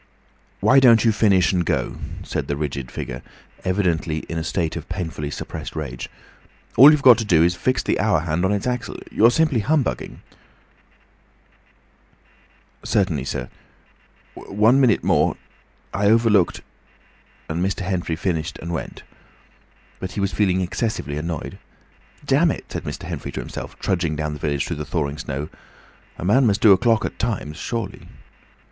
"Why don't you finish and go?" said the rigid figure, evidently in a state of painfully suppressed rage. "All you've got to do is to fix the hour hand on its axle. You're simply humbugging—" "Certainly, sir—one minute more. I overlooked—" and Mr. Henfrey finished and went. But he went feeling excessively annoyed. "Damn it!" said Mr. Henfrey to himself, trudging down the village through the thawing snow; "a man must do a clock at times, surely."